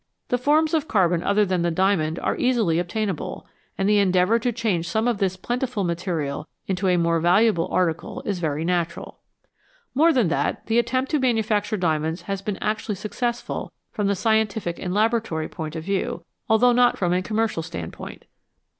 The forms of carbon other than the diamond are easily obtainable, and the endeavour to change some of this plentiful material into a more valu able article is very natural. More than that, the attempt to manufacture diamonds has been actually successful from the scientific and laboratory point of view, although not from a commercial standpoint.